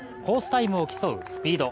タイムを競うスピード。